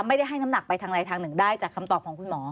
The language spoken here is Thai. ไม่ได้ให้น้ำหนักไปทางใดทางหนึ่งได้จากคำตอบของคุณหมอ